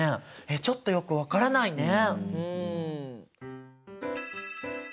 えっちょっとよく分からないね。